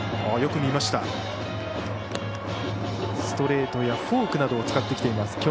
ストレートやフォークなどを使ってきています